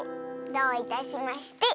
どういたしまして。